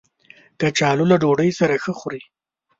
کچالو له ډوډۍ سره ښه خوري